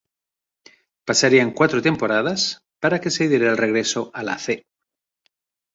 Pasarían cuatro temporadas para que se diera el regreso a la "C".